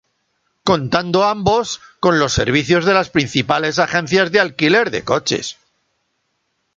Contando ambos con los servicios de las principales agencias de alquiler de coches.